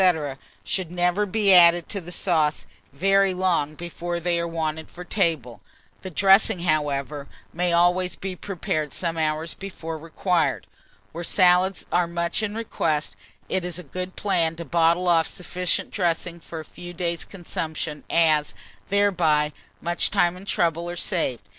should never be added to the sauce very long before they are wanted for table; the dressing, however, may always be prepared some hours before required. Where salads are much in request, it is a good plan to bottle off sufficient dressing for a few days' consumption, as, thereby, much time and trouble are saved.